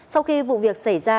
sau khi vụ việc xảy ra